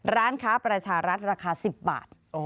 ร้านค้าประชารัฐราคา๑๐บาท